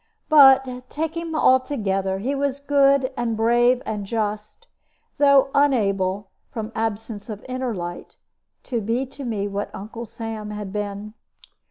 But, take him altogether, he was good and brave and just, though unable, from absence of inner light, to be to me what Uncle Sam had been.